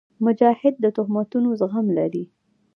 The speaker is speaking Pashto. مجاهد د تهمتونو زغم لري.